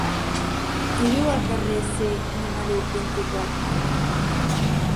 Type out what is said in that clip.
Qui viu al carrer C número vint-i-quatre?